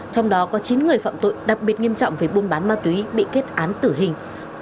trong đó có chín người phạm tội đặc biệt nghiêm trọng về buôn bán ma túy bị kết án tử hình